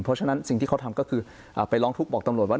เพราะฉะนั้นสิ่งที่เขาทำก็คือไปร้องทุกข์บอกตำรวจว่า